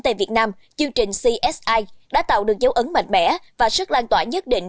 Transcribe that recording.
tại việt nam chương trình csi đã tạo được dấu ấn mạnh mẽ và sức lan tỏa nhất định